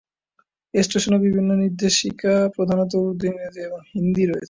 স্টেশনে বিভিন্ন নির্দেশিকা প্রধানত উর্দু, ইংরেজি এবং হিন্দি রয়েছে।